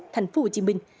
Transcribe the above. thành phố hồ chí minh